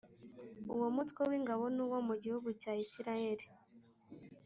Uwo Mutwe w'Ingabo nuwo mu gihugu cya israel